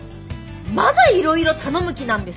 まだいろいろ頼む気なんですか？